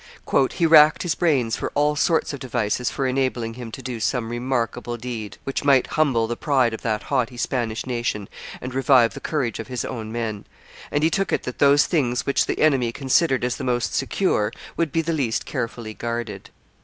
"He racked his brains for all sorts of devices for enabling him to do some remarkable deed which might humble the pride of that haughty Spanish nation and revive the courage of his own men; and he took it that those things which the enemy considered as the most secure would be the least carefully guarded.